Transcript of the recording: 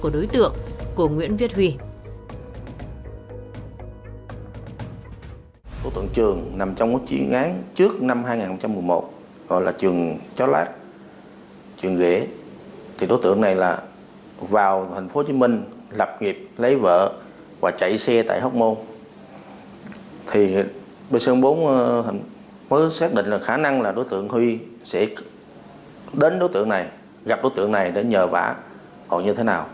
đối tượng của đối tượng của nguyễn việt huy